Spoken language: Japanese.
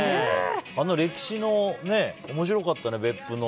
あの歴史の面白かったね